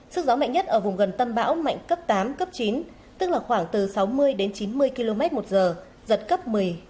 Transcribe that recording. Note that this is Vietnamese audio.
sức gió mạnh nhất ở vùng gần tâm bão mạnh cấp tám chín tức là khoảng từ sáu mươi chín mươi km một giờ giật cấp một mươi một mươi một